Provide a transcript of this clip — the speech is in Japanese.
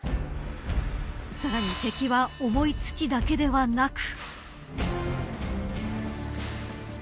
さらに敵は重い土だけではなく。